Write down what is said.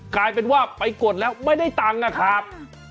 กลายเป็นว่าไปกดแล้วไม่ได้ตังค์นะครับ